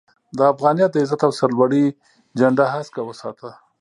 د افغانيت د عزت او سر لوړۍ جنډه هسکه وساته